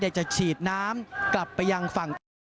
ได้จะฉีดน้ำกลับไปยังฝั่ง